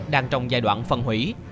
đang trong giai đoạn phân hủy